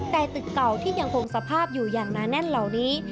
แต่ตึกเก่าที่ยังคงสภาพอยู่อย่างหนาแน่นเหล่านี้